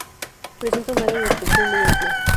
Presenta un área de dispersión muy amplia.